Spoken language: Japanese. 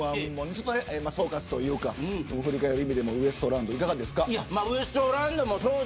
今回のＭ‐１の総括というか振り返る意味でもウエストランド、いかがですか。